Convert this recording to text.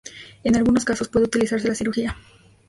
En algunos casos puede utilizarse la cirugía.